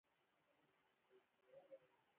جانداد د ټینګ ملاتړ خاوند دی.